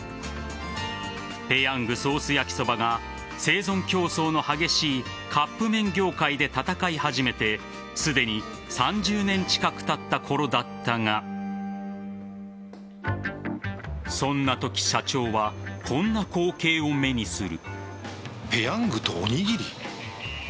ペヤングソースやきそばが生存競争の激しいカップ麺業界で戦い始めてすでに３０年近くたったころだったがそんなとき社長は、こんな光景を目にする。